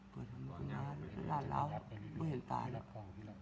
ก็ทำงานร้านร้าวไม่เห็นตายนะ